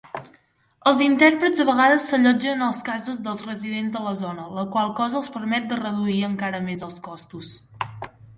Els intèrprets a vegades s'allotgen a les cases dels residents de la zona, la qual cosa els permet de reduir encara més els costos.